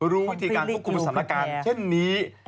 รู้วิธีการควบคุมสถานการณ์เช่นนี้